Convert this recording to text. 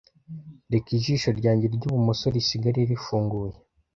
reka ijisho ryanjye ry'ibumoso risigare rifunguye